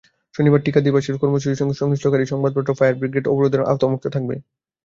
শনিবার টিকাদিবসের কর্মসূচির সঙ্গে সংশ্লিষ্ট গাড়ি, সংবাদপত্র, ফায়ার ব্রিগেড অবরোধের আওতামুক্ত থাকবে।